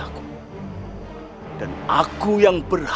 aku cukup nyambut